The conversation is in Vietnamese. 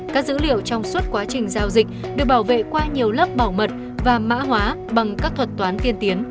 các dữ liệu trong suốt quá trình giao dịch được bảo vệ qua nhiều lớp bảo mật và mã hóa bằng các thuật toán tiên tiến